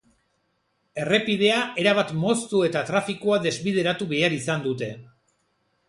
Errepidea erabat moztu eta trafikoa desbideratu behar izan dute.